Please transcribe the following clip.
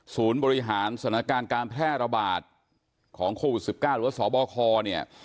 บริหารสถานการณ์การแพร่ระบาดของโควิด๑๙หรือว่าสบคเนี่ย